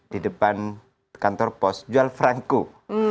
di depan kantor pos jual frankku